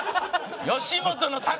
吉本の宝！